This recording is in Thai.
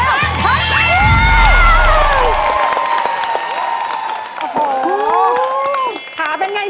ขาเป็นอย่างไรพี่